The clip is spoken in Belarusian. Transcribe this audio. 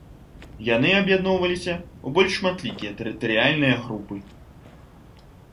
Яны аб'ядноўваліся ў больш шматлікія тэрытарыяльныя групы.